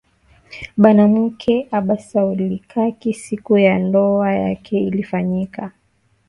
Banamuke abasaulikaki siku ya ndowa yake ilifanyika